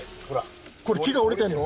これ、木が折れてるの？